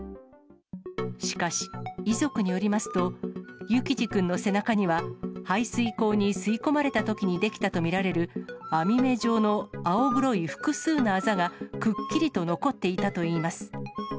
しかし、遺族によりますと、幸士君の背中には、排水口に吸い込まれたときに出来たと見られる網目状の青黒い複数のあざが、くっきりと残っていたといいます。